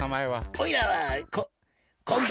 おいらはこ近藤。